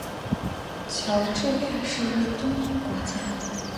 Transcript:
乔治亚是一东欧国家。